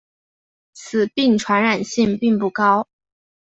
此病传染性并不高。